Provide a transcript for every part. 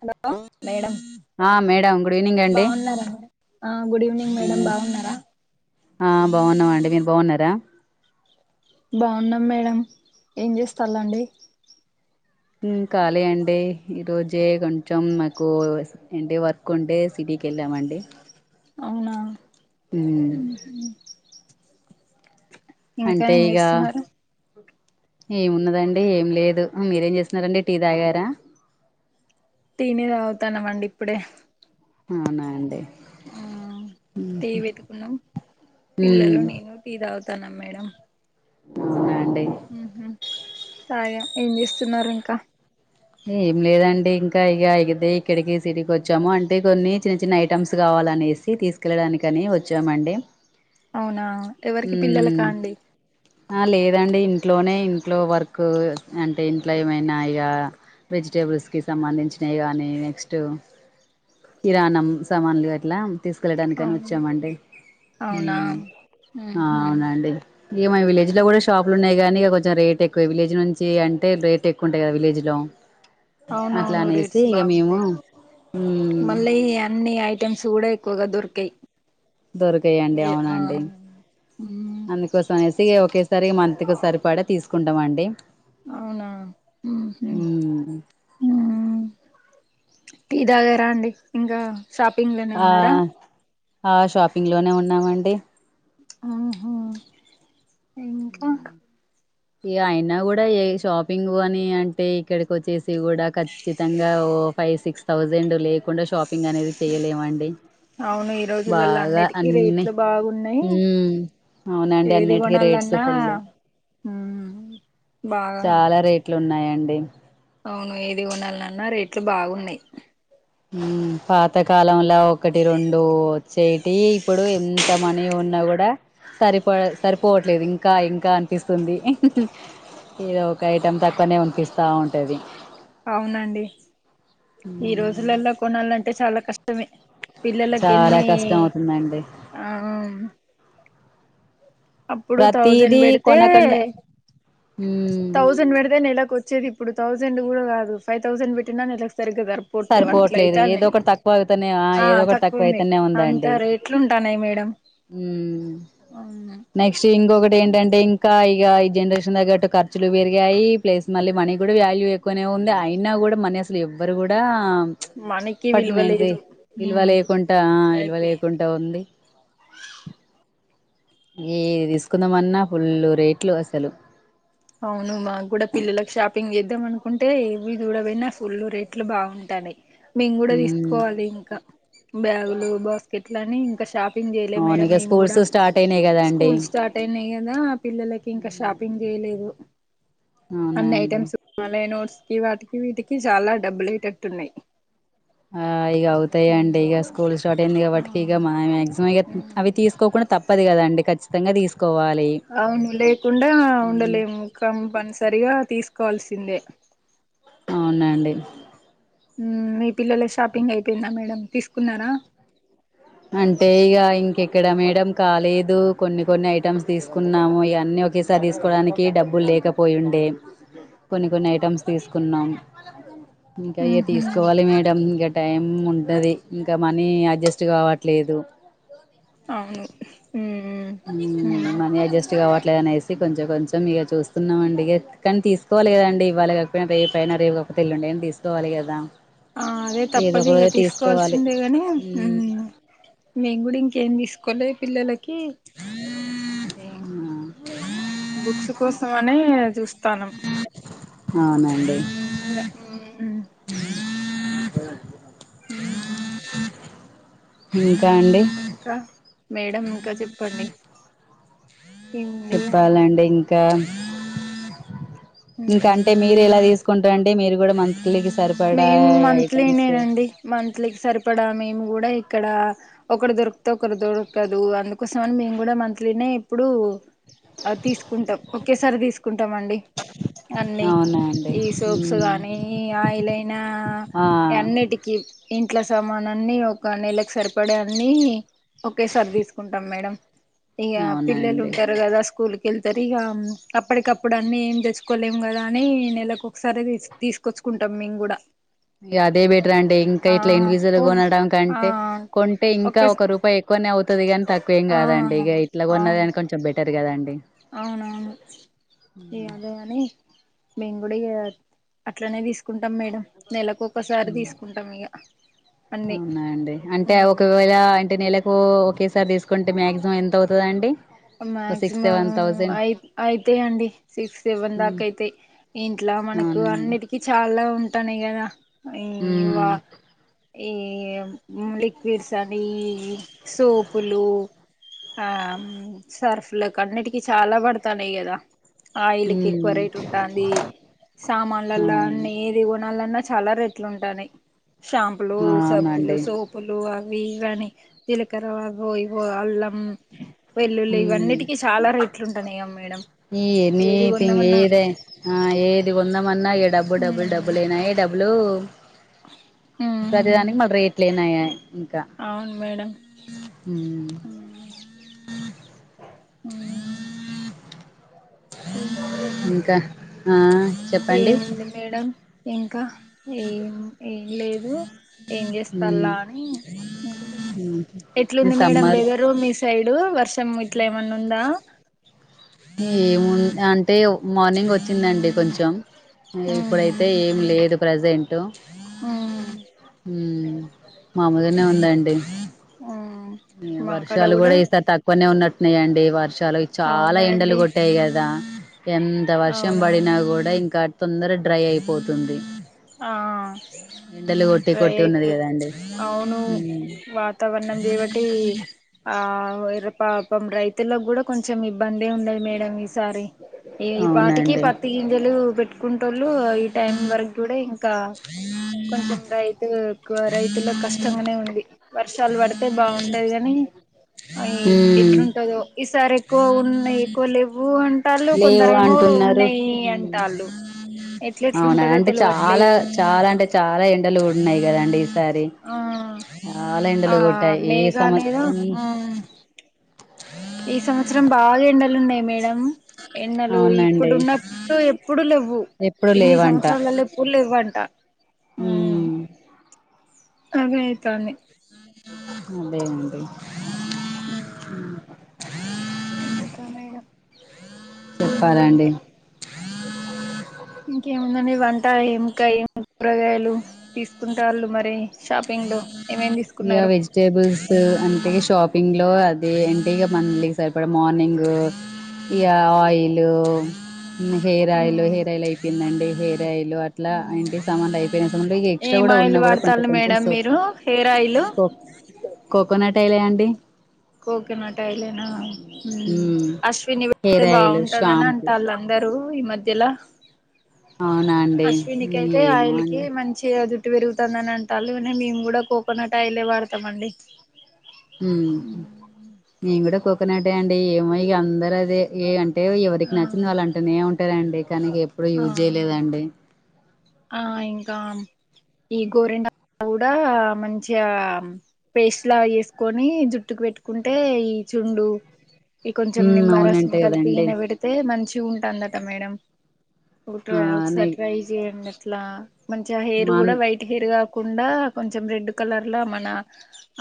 Hello madam ఆ madam good evening అండి బావున్నారండి ఆ గుడ్ ఈవినింగ్ మేడం బాగున్నారా ఆ బావున్నాం అండి మీరు బావున్నారా బావున్నాం మేడం ఏం చేస్తళండి మ్ ఖాళీ అండి ఈరోజే కొంచెం మాకు ఎంటి వర్క్ ఉంటే సిటీకి ఎళ్ళామండి అవునా మ్ హు అంటే ఇగా ఏమున్నదండి ఏం లేదు మీరేం చేస్తున్నారండి టీ తాగారా టీనే తాగుతానమండి ఇప్పుడే అవునా అండి ఆ టీ పెట్టుకున్నం పిల్లలు ఉమ్, నేను టీ తాగుతానమ్ మేడం అవునా అండి ఉహు తాగా ఏం చేస్తున్నారు ఇంకా ఏం లేదండి ఇంకా ఇగ ఇగితే ఇక్కడికి సిటీకి వచ్చాము అంటే కొన్ని చిన్న చిన్న ఐటమ్స్ కావాలినేసి ఇవి తీసుకెళ్ళడానికని వచ్చామండి అవునా ఎవరికి ఉమ్, పిల్లలకాండి ఆ లేదండి ఇంట్లోనే ఇంట్లో వర్కు అంటే ఇంట్లో ఏమైనా ఇగా వెజిటేబుల్స్కి సంబంధించినవి కానీ నెక్స్ట్ కిరాణం సమాన్లు అట్లా తీసుకెళ్ళడానికని అవును వచ్చామండి అవునా ఉమ్ ఉహు అవునండి ఇగ మా విలేజ్ లో కూడా షాపులు ఉన్నాయి కానీ ఇక కొంచం రేట్ ఎక్కువ విలేజ్ నుంచి అంటే రేట్ ఎక్కువ ఉంటాయిగ విలేజ్లో అవునవును రేట్స్ బాగుంటాయి ఉమ్ మళ్ళీ అన్నీ అయ్ ఐటెమ్స్ కూడా ఎక్కువగా దొరికయ్ దొరకాయండి అవునండి ఉమ్ అందు కోస అనేసి ఒకేసారి మంతకిసరిపడ తీసుకుంటాం అండి అవునా ఉహు ఉమ్ ఉమ్ టీ తాగరా అండి ఇంగా షాపింగా ఆ ఆ షాపింగ్లోనే ఉన్నామండి ఆహా ఇంకా ఈ ఆయైనా గుడా ఏ షాపింగు అని అంటే ఇక్కడికొచ్చేసి గుడా క ఖచ్చితంగా ఓ ఫైవ్ సిక్స్ థౌజండు లేకుండా షాపింగ్ అనేది చెయ్యలేమండి అవును ఈ రోజులల్ల అన్నిటికీ రేట్లు బాగున్నాయ్ ఉమ్ అవునండి అన్నిటికీ రేట్స్ ఏదిగొన్నలన్నా ఫుల్ హూమ్ చాలా రేట్లున్నాయండి అవును ఏది గొనలన్నా రేట్లు బాగున్నయ్ ఊ పాతకాలంల ఒకటి రెండూ చ్చేటివి ఇప్పుడు ఎంత మనీ ఉన్నా గుడా సరిపో సరిపోవట్లేదు ఇంకా ఇంకా అన్పిస్తుంది ఏదో ఒక ఐటెం తక్కువనే వొన్పిస్తా ఉంటది అవునండి ఈ మ్మ్ రోజులల్లో కొనాలంటే చాలా కష్ ష్టమే చాలా పిల్లలకెన్నీ కష్టం అవుతుందండి అప్పుడు థౌజెన్ ప్రతిదీ బెడితే కొనకుండా మ్మ్ థౌజెన్ బెడితే నెలకొచ్చేది ఇప్పుడు థౌజెండు గుడ గాదు ఫైవ్ థౌజెన్ వెట్టిన నెలకు సరిగ్గా జరుప్ పోట్లేవు సరిపోవట్లేదు ఏదో అట్లైతన్నాయ్ ఒకటి తక్కువ అవుతనే ఆ ఏదో ఒకటి తక్కువ తక్కువుంది అయితేనే అంత రేట్లు ఉంటాన్నాయ్ మేడం ఊ అవును నెక్స్ట్ ఇంగొగటి ఏంటంటే ఇం ఇంకా ఇక ఈ జండ్రేషన్ తగ్గట్టు ఖర్చులు బెరిగాయి ప్లస్ మళ్ళీ మనీ గుడ వ్యాల్యూ ఎక్ కొనే ఉంది అయినా గుడ మనీ అసలు ఎవ్వరు గుడా మనకి పట్నే ఇది విలువలేదు విల్వ ఉమ్ లేకుంట ఆ విల్వ అయిపోయింది లేకుంట ఉంది ఏ దీస్కుందామన్నా ఫుల్లు రేట్లు అసలు అవును మా గ్గుడ పిల్లలకు షాపింగ్ ఏద్దాం అనుకుంటే ఇవి జూడ బొయినా ఫుల్ రేట్లు బావుంటన్నాయ్ మేమ్ గుడ మ్మ్ దీస్కోవాలి ఇంకా బ్యాగులు బాస్కెట్లని ఇంకా షాప్ షాపింగ్ జెయ్ల అవును మేడం ఇక మేమ్ స్కూల్స్ గూడా స్టార్ట్ అయినాయి కదా స్కూల్ స్టాట్ టైనా గదా పిల్లలకి ఇంకా అండి షాపింగ్ జెయ్లేదు అవునా అన్ని అండి ఐటమ్స్ నోట్స్కి వాటికి వీటికి చాలా డబ్బులైటట్టున్నాయ్ ఆ ఇగ అవుతాయండి ఇగ స్కూల్ స్టార్ట్ అయింది ఆ గాబట్టి ఇగ మన మ్యాక్సిమం ఇగ అవి తీస్కోకుండా తప్పదు గదండి ఖచ్చితంగా దీస్కోవాలి అవును లేకుండా ఉండలేము కంపన్సరిగా తీస్కోవాల్సిందే అవునండి ఊ మీ పిల్లొల్ల షాపింగ్ అయిపేయిందా మేడం తీస్కున్నారా అంటే ఇగ ఇంకెక్కడ మేడం కాలేదు కొన్ని కొన్ని ఐటమ్స్ దీస్కున్నాము ఇగ అన్నీ ఒగే త దీస్కోడానికి డబ్బుల్ లేకపోయుండే కొన్ని కొన్ని ఐటమ్స్ తీస్కున్నాము ఇంకా ఇగ మ్హూ, తీస్కోవాలి మేడం ఇంగ టైం ఉంటది ఇంకా మనీ అడ్జస్ట్ గావ ట్లేదు అవును ఊ ఊ ఊ మనీ అడ్జెస్ట్ గావట్లదనేసి కొంచెం కొంచెం ఇగ చూస్తున్నాం అండి ఇగ కాన్ తీస్కోవాలి గదండి ఇవ్వాళ గాకపోయ్నా రేపైనా రేప్ గాక పోతె ఎల్లుండైన దీస్కోవాలి గదా ఆ అదే తప్పదిగ తీస్కోవాల్సిందే గని ఉహు మేమ్ గుడ ఇంకేం దీస్కోలే పిల్లలకి ఉనా బుక్స్ కోసమనే జూస్తాన్నం అవ్నన్ మేమ్ గుడ ఊ ఊ హూ ఇంకా అండి ఇంక మేడం ఇంకా చెప్పండి ఏం లే చెప్పాలండి ఇంక ఇంక ఉమ్ అంటే మీరు ఎలా తీస్ స్కుంట అంటే మీరు కూడ మంత్లికి సరిపడా ఐటమ్స్ మంత్లికి సరిపడ మేము కూడ ఇక్కడ ఒకటి దొర్కుతే ఒకటి దొరకదు అందుకోసం అని మేము కూడా మంత్లీనే ఎప్పుడు ఆ తీస్కుంటాం ఒకేసారే తీస్కుంటామండి అన్ని అవునా అండి ఈ సూప్స్ గానీ ఆయిలైన ఆ అన్నిటికి ఇంట్ల సామానన్ని ఒక నెలకి సరిపడే అన్ని ఓకే సారి తీస్కుంటాం మేడం ఇగ అవునా పిల్లలు అండి ఉంటారు కదా స్కూల్ వెళ్తారు ఇగ అప్పటికప్పుడు అన్నీ ఏం తెచ్చుకోలేము కదా అని నెలకోక్సారి తీస్కొచ్చు కుంటాం మేము గుడ ఇ అదే బెటరండి ఇంక ఇట్లా ఇన్విజువల్గ ఓ కొనడం ఆ కంటే కొంటే ఇంకా ఒకేస ఒక రూపయ్ ఎక్కువనే అవుతది కానీ తక్కువేం ఆ కాదండి ఇగ ఇట్లా కొన్నది అవును కాని కొంచెం బెటర్ కదండి ఈ అదే అని మేము కూడ అట్లనే తీస్కుంటాం మేడం నెలకొక్కసారి తీస్కుంటాం ఇగ అన్నీ అవునా అండి అంటే ఒకవేళ అంటే నెల కు ఓకేసారి తీస్కుంటే మ్యాక్సిమం ఎంత అవుతదండి ఓ సిక్స్ మక్సిమం సెవెన్ థౌజండ్ అయి అయితాయి అండి సిక్స్ సెవెన్ మ్ దాకా అయితాయ్ ఇంట్ల మనకు అవునండి అన్నిటికీ చాల ఉంటానయి కదా ఈవ ఉమ్ ఈ లిక్విడ్స్ అని సోపులు ఆ సర్ఫ్లకన్నిటికీ చాల పడ్తాన్నాయి కదా ఆయిల్కి ఉమ్ ఎక్కువ రేట్ ఉంటాంది సామాన్లలో అవునండి అన్నీ కొనాలన్న చాల రెట్లు ఉంటాయి షాంపులు ఆ సబ్బులు అవునండి సో పులు అవి ఇవి అని జీలకర అవొ ఇవొ అల్లం వెల్లుల్లి ఉమ్ ఇవన్నిటికీ చాల రేట్లు ఉంటాన్నాయ మేడం ఏది కొందామన్నా [unintelligible] ఆ ఏది కొందామన్నా ఇ డబ్బు డబ్బు ఉమ్ డబ్బులెనాయే డబ్బులూ ప్రతి దానికి ఉమ్ మళ్ళీ రేట్లు అయినాయ అవును మేడం మ్మ్ ఉ ఇంక ఇంక ఆ చెప్ ఏముంది మేడం ఇంక ఏం ఏం లేదు ఏం చేస్తల మ్మ్ అని అనుకుంటున్న ఈ ఎట్లుంది మేడం సమ్మర్ వెదరు మీ సైడు వర్షం ఇట్ల ఏమన్నా ఉంద ఏమున్ అంటే మార్నింగ్ ఓచ్చిందండి కొంచెం ఇప్పుడై ఉమ్ అయితే ఏం లేదు ప్రజెంటు ఉమ్ ఉ మామూల్గానే ఉందండి ఆ వర్షాలు కూడ ఈసారి తక్కువనే ఉన్నట్టు ఉన్నాయ అండి వర్షాలు చాల ఎండలు అవునండి కొట్టాయి కదా ఎంత వర్షం అవునవును పడినా కూడ ఇంక తొందర డ్రై అయిపోతుంది ఆ ఎండలు కొట్టి డ్రై కొట్టి ఉన్నది కదా అయిపోతే అండి అవ్ను మ్మ్ వాతావరణం దేవటి ఆ పాపం రైతులక్కూడా కొంచెం ఇబ్బందే ఉండది మేడం ఈసారి ఈ పాటికి అవునండి పత్తి గింజలు పెట్కుంటోళ్లు ఈ టైం వరక్ కూడే ఇంకా కొంచెం రైతు రైతులకు కష్టంగానే ఉంది వర్షాలు పడ్తే బాగుంటది గని అ యి ఉమ్ ఎట్లుంటదో ఈసారి ఎక్కువ ఉన్నాయి ఎక్కువ లెవ్వు అ టాళ్ళు లేవు కొందర్ ఏమో అంటున్నారు ఉన్నాయి ఉమ్ అంటాళ్ళు ఎట్ల ఎట్ల అవునా ఉంటందో అంటే చాలా చాలా అంటే చాలా ఎండలు ఉన్నాయి కదండి ఈసారి ఆ చాలా ఎండలు ఆ కోటాయి యే సంవత్స మేఘాలేద ఆ ఈ సంవత్సరం బాగ ఎండలు ఉన్నాయి మేడం ఎన్నలు ఇప్పుడు అవునండి ఉన్నప్పుడు ఎప్పుడు లేవ్వు ఎప్పుడు ఇన్ని లేవంట సంవత్సరాలలో ఎప్పుడు లెవ్వంట ఊమ్ ఆకాలైతాంది ముందే ఉంటయి ఊమ్ ఇంకా మేడం ఉమ్ చెప్పాలండి ఇంకేముందండి వంట ఎంకాయ్ కూరగాయ్లు తీస్కుంటాళ్ళు మరి షాపింగ్లో ఏమేమ్ తీస్కున్నారు టేబుల్స్ అంటే షాపింగ్లో అది ఎంటిక మళ్ళీ సరిపడా మార్నింగ్ ఇ ఆయిల్ హెయిర్ ఆయిల్ ఉమ్ హెయిర్ ఆయిల్ అయిపోయిందండి హెయిర్ ఆయిల్ అ ఇట్లా ఉమ్ ఇంటి సామాన్లు అయిపోయి సమా ఎక్సట్రా కూడా ఉన్నా కూడా కొంచం దమ్ మీరు హెయిర్ ఆయిల్ కోక్ కోకోనట్ అయిలే అండి కోకోనట్ అయిలేనా ఉమ్, అశ్విని వెతే హెయిర్ ఆయిల్ బాగుంటదని షాంపూ అంటాళ్ళు అందరు ఈ మధ్యలా అవునా అండి అశ్వని కై అయితే ఏమో ఆయిల్కి అండి మంచి జుట్టు పెరుగుతంది అని అంటాళ్ళు మేమ్ కూడా కోకోనట్ ఆయిలే వాడ్తాం అండి ఉం నేన్ కూడా కోకోనటె అండి ఏమో అందర్ అదే ఏ అంట అంటే ఎవరికి ఆ నచ్చింది వాళ్ళు అంటూనే ఉంటారండి కానీ ఇగ ఎప్పుడూ ఆ యూజ్ చేయ్లేదండి ఆ ఇంకా ఈ గోరెండా కూడా మంచిగా పేస్ట్లాగా చేస్కొని జుట్టుకు పెట్కుంటే ఈ చుండ్రు ఇ కొంచెం ఉమ్ నిమ్మరసం అవునంట కలిపి కదండి ఇడ్నే వీడ్ అయితే మంచి ఉంటందట మేడం ఒక్ ఆ టై నే ఒకసారి ట్రై చేయండి అట్లా మంచిగా హెయిర్ మాన్ కూడా వైట్ హెయిర్ కాకుండా కొంచెం రెడ్ కలర్లో మన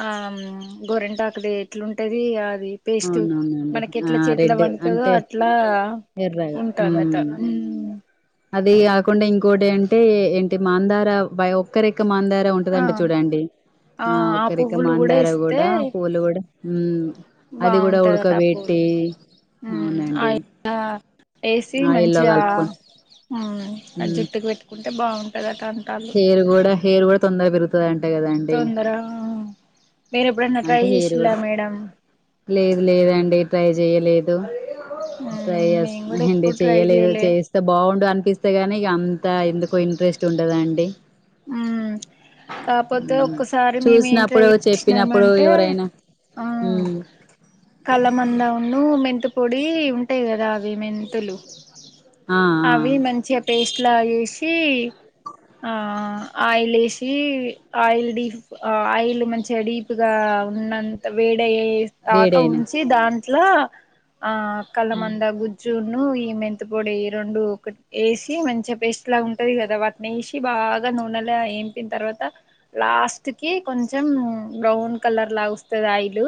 ఆ మ్ గోరెంటకుది ఎట్లుంటది అది పేస్ట్ అవునవునండి మనకి ఆ ఎట్లా చేతిలో రెడ్ వండుతుందో అంటే అట్లా ఎర్రగా ఉంటాందట ఉమ్ ఉమ్ అది కాకుండా ఇంకోటి అంటే ఏంటి మాందార బఒక్కరెక్క మందార ఆ ఉంటదంటా చూడండి ఆ ఒక్కరెక మాందార కూడా పూలు కూడా అది కూడా బాగుంటదట అ పూలు ఉడకబెట్టి ఉ ఆ అవునండి ఇగ ఏసి ఆయిల్లో మంచిగ కలుపుకొని ఆ ఉమ్ జుట్టుకు పెట్టుకుంటే బాగుంటదట అంటాళ్ళు ఇది కూడా హైర్ కూడా తొందరగ పెర్ తుందట కదండి అంటే తొందర మీరు ఎప్పుడన్నా ట్రై అంటే హైర్ చేసిలా కూడా మేడం లేదు లేదండి ట్రై చెయలేదు ట్రై చేస్ మేము కూడా అండి ఎప్పుడు ట్రై చెయలేదు చేయలే చేస్ స్తే బాగుండు అనిపిస్తే గాని ఇగ అంత ఎందుకో ఇంట్రెస్ట్ ఉండదండి మ్మ్ కాపోతే ఉ ఒక్కసారి మేమేం ట్రై చూసినప్పుడు చెప్పినప్పుడు చేసినామంటే ఎవరైనా ఉ కలబంద ను మెంతుపొడి ఉంటాయి కదా అవి మెంతులు ఆ ఆ అవి మంచిగా పేస్ట్ లా చేసి ఆ ఆయిల్ వేసి ఆయిల్ డి ఆ ఆయిల్ మంచిగా డీప్ గా ఉన్నంత వేడై ఆక వేడైనా ఉంచి దాంట్లో ఆ కలమంద గుజ చూన్ను ఈ మెంతపొడి ఈ రెండు ఒకటి ఏసి మంచిగా పేస్ట్ లాగా ఉంటది కదా వాటిని ఏసి బాగా గా నూనెలో ఏంపిన్ తర్వాత లాస్ట్ కి కొంచం బ్రౌన్ కలర్ లాగా వస్తది అయిలు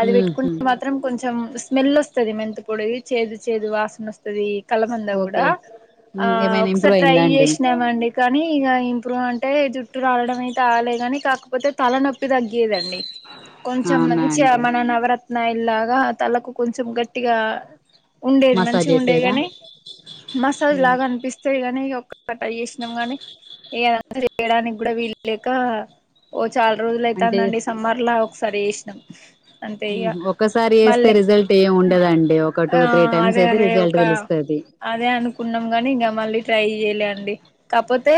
అది హ్మ్ హు పెట్టుకుంటే మాత్రం కొంచం స్మెల్ వస్తది మెంతపొడి చేదు చేదు వాసన వస్ త్తది కలమందా కూడా ఓకే ఆ హ్మ్ ఏమైనా ఒకసారి ఇంప్రూవ్ ట్రై అయిందా అండి చేసినామండి కానీ ఇగా ఇంప్రూవ్ అంటే జుట్టు రాలడం అయితే ఆగాలే గానీ కాకపోతే తల నొప్పి తగ్గేదండి కొంచం అవునా మంచిగా అండి మన నవరత్నా ఆయిల్ లగా తలకు కొంచెం గట్టిగా ఉండేది మసాజ్ మంచిగా ఉండేది చేసేదా గాని మసాజ్ హ్మ్ లాగా అనిపిస్ సే గానీ ఇగ ఒక్క ట్రై చేసినాం గాని ఇగ ఏద చేయడానికి కూడా వీలు లేక ఓ చాల రోజులు అంటే అయితాంది అండి సమ్మర్ లో ఒకసారి చేసినం అంతే హ్మ్ ఇగా హు ఒక్కసారి వేస్తే మళ్ళీ రిజల్ట్ ఏమి ఉండదండి ఒక టూ ఆ త్రీ టైమ్స్ అదే అయితే అదే రిజల్ట్ ఒక తెలుస్తుంది అదే అనుకున్నాం గానీ ఇంకా మళ్ళీ ట్రై చేయలే అండి కాకపోత్ తే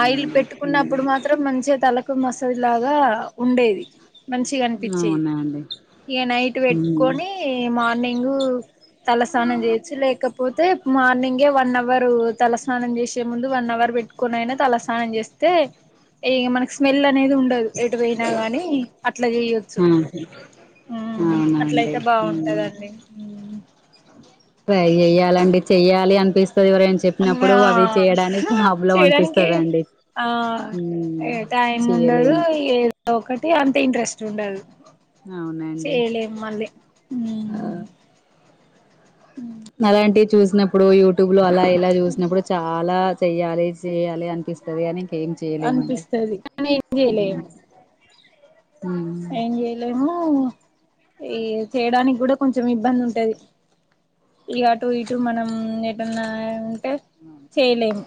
ఆయిల్ పెట్టుకున్నప్పుడు మాత్రం మంచిగా తలకు మసాజ్ లాగా ఉండేది మంచిగా అనిపించేది అవునా అండి హ్మ్ అవునా అండి. ఇగా నైట్ పెట్టుకొని హ్మ్ మార్నింగు తలస్నానం చేయొచ్చు లేకపోతే మార్నింగే వన్ అవర్ తలస్నానం చేసే ముందు వన్ అవర్ పెట్టుకుని అయినా తలస్నానం చేస్తే ఇగ మనకి స్మెల్ అనేది ఉండదు ఎటు పోయినా గానీ అట్లా చేయొచ్చు ఆ ఊ అవునండి అట్లయితే బాగుంటది అండి ట్రై చెయాలండి చెయ్యాలి అనిపిస్తది ఎవరైనా అమ్మా చెప్పినప్పుడు అవి చేయడానికి ప్రాబ్లం చేయడానికి అనిపిస్తది అండి ఆ ఇగ టైం ఉండదు చేయలేము ఏ ఒకటి అంత ఇంట్రెస్ట్ ఉండదు అవునండి చేయాలెం మళ్ళీ ఉ ఆ అలాంటి చూసినప్పుడు యూట్యూబ్ లో అలా ఇలా చూసినప్పుడు చాలా చెయ్యాలి చెయ్యాలి అనిపిస్త టది గని ఇంకేం చేయలేము అనిపిస్తది కానీ ఏం ఉ చేయలేము ఉ ఏం చేయలేము ఈ చేయడానికి కూడా కొంచం ఇబ్బంది ఉంటది ఇ అటు ఇటు మనం ఏటన్నా ఉంటే చేయలేమ్